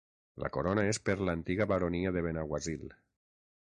La corona és per l'antiga Baronia de Benaguasil.